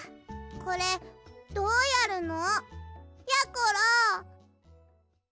これどうやるの？やころ！